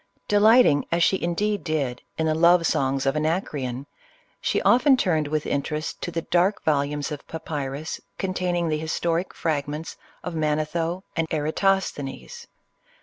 De lighting, as she indeed did, in the love songs of Anac reon, she often turned with interest to the dark vol umes of papyrus containing the historic fragments of Manetho and Eratosthenes.